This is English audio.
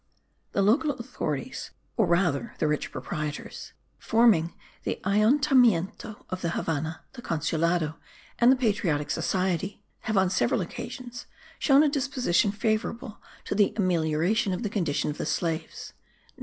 The local authorities, or rather the rich proprietors, forming the Ayuntamiento of the Havannah, the Consulado and the Patriotic Society, have on several occasions shown a disposition favourable to the amelioration of the condition of the slaves.